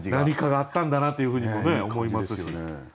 何かがあったんだなというふうにも思いますし。